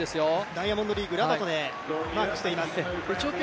ダイヤモンドリーグでマークしています。